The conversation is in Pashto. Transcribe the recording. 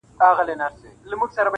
• ستا دپاره چی می ځای نه وي په زړه کي -